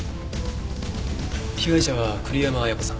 被害者は栗山彩子さん。